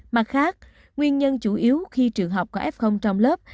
mặt khác nguyên nhân chủ yếu khi trường học có f trong lớp